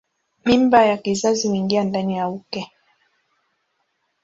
Mimba ya kizazi huingia ndani ya uke.